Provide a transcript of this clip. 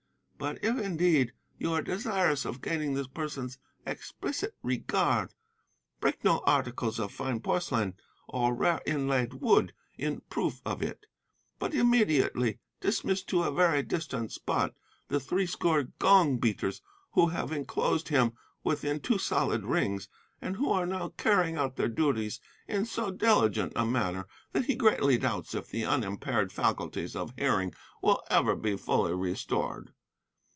But if, indeed, you are desirous of gaining this person's explicit regard, break no articles of fine porcelain or rare inlaid wood in proof of it, but immediately dismiss to a very distant spot the three score gong beaters who have enclosed him within two solid rings, and who are now carrying out their duties in so diligent a manner that he greatly doubts if the unimpaired faculties of hearing will ever be fully restored.